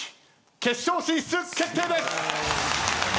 決勝進出決定です！